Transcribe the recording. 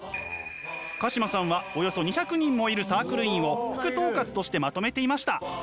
鹿島さんはおよそ２００人もいるサークル員を副統括としてまとめていました！